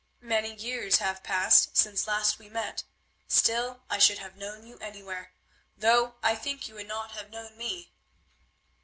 "Many years have passed since last we met; still I should have known you anywhere, though I think you would not have known me."